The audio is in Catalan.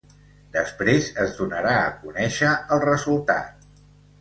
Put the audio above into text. Després, es donarà a conèixer el resultat.